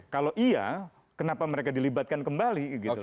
kalau iya kenapa mereka dilibatkan kembali gitu